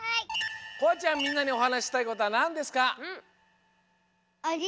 こあちゃんみんなにおはなししたいことはなんですか？